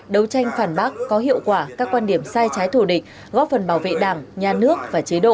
đấu tranh phản bác có hiệu quả các quan điểm sai trái thủ địch góp phần bảo vệ đảng nhà nước và chế độ